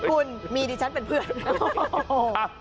คุณมีดิฉันเป็นเพื่อนนะ